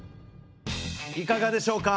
いかがでしょうか？